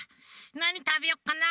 なにたべよっかな。